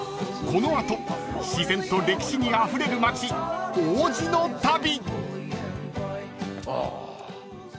［この後自然と歴史にあふれる街王子の旅］